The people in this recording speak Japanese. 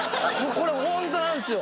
これホントなんすよ